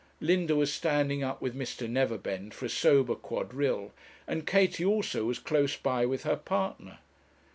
Linda was standing up with Mr. Neverbend for a sober quadrille, and Katie also was close by with her partner.